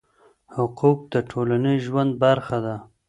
حقوق د ټولنيز ژوند برخه ده؟